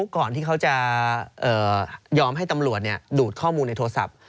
ก่อนที่เขาจะยอมให้ตำรวจดูดข้อมูลในโทรศัพท์